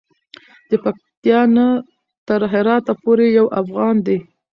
د پکتیا نه تر هراته پورې یو افغان دی.